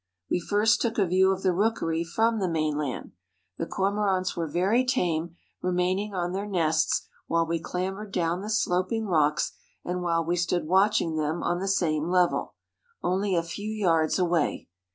We first took a view of the rookery from the mainland. The Cormorants were very tame, remaining on their nests while we clambered down the sloping rocks and while we stood watching them on the same level, only a few yards away.